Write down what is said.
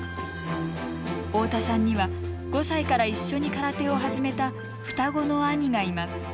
大田さんには５歳から一緒に空手を始めた双子の兄がいます。